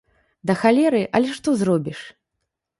Да халеры, але што зробіш.